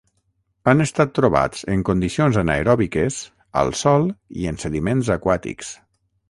Han estat trobats en condicions anaeròbiques al sòl i en sediments aquàtics.